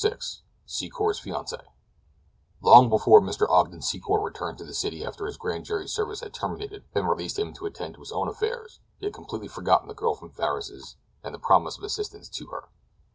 — SECOR'S FIANCÉE Long before Mr. Ogden Secor returned to the city after his grand jury service had terminated and released him to attend to his own affairs, he had completely forgotten the girl from Farris's and his promise of assistance to her.